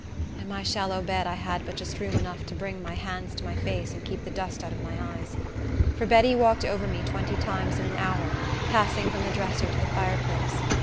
In my shallow bed I had but just room enough to bring my hands to my face to keep the dust out of my eyes; for Betty walked over me twenty times in an hour, passing from the dresser to the fireplace.